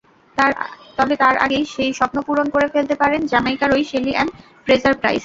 তবে তাঁর আগেই সেই স্বপ্ন পূরণ করে ফেলতে পারেন জ্যামাইকারই শেলি-অ্যান ফ্রেজার-প্রাইস।